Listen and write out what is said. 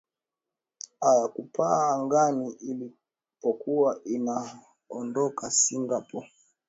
a ya kupaa angani ilipokuwa inaondoka singapore